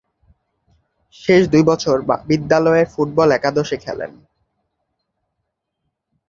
শেষ দুই বছর বিদ্যালয়ের ফুটবল একাদশে খেলেন।